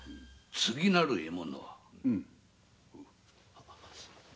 次なる獲物は？